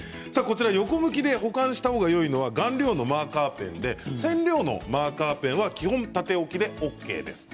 横向きで保管した方がよいのは顔料のマーカーペンで染料のマーカーペンは基本、縦置きでＯＫです。